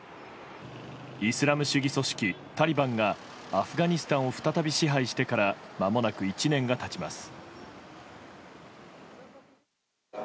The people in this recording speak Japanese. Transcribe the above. イスラム主義組織タリバンがアフガニスタンを再び支配してからまもなく１年が経ちます。